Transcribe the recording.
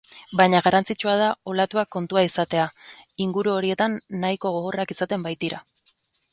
Baina garrantzitsua da olatuak kontua izatea, inguru horietan nahiko gogorrak izaten baitira.